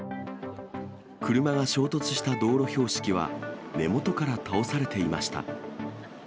車が衝突した道路標識は、根元から倒されていました。